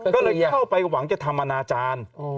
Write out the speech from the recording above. ก็เลยเข้าไปหวังจะทำอนาจารย์